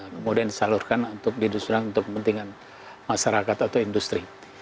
kemudian disalurkan untuk di industri terang untuk kepentingan masyarakat atau industri